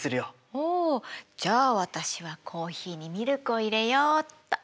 おじゃあ私はコーヒーにミルクを入れようっと。